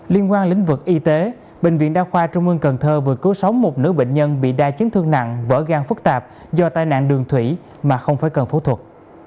liên quan lĩnh vực y tế bệnh viện đa khoa trung ương cần thơ vừa cứu sống một nữ bệnh nhân bị đa chấn thương nặng vỡ gan phức tạp do tai nạn đường thủy mà không phải cần phẫu thuật